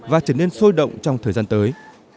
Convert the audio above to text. và trở nên sôi động trong thời gian tới